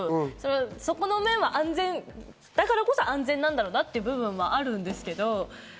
そこの面は、だからこそ安全なんだろうなという部分はあるんですけど。